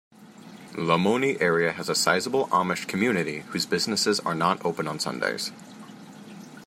Lamoni area has a sizable Amish community, whose businesses are not open on Sundays.